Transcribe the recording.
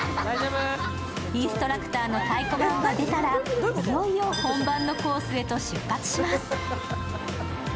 インストラクターの太鼓判が出たら、いよいよ本番のコースへと出発します。